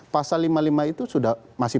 pasal lima puluh lima itu sudah masih